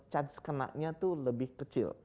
chance kenanya tuh lebih kecil